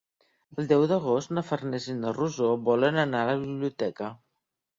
El deu d'agost na Farners i na Rosó volen anar a la biblioteca.